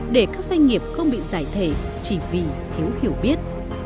để các doanh nghiệp không bị giải thể chỉ vì thiếu hiểu biết